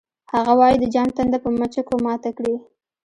هغه وایی د جام تنده په مچکو ماته کړئ